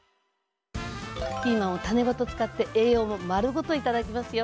ピーマンを種ごと使って栄養も丸ごといただきますよ。